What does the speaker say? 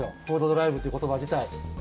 フードドライブっていうことばじたい。